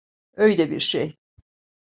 Öyle bir şey.